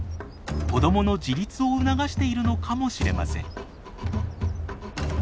子どもの自立を促しているのかもしれません。